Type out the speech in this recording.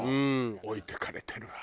置いてかれてるわ本当。